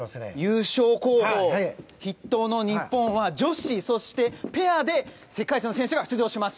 優勝候補筆頭の日本は女子、ペアで世界一の選手が出場します。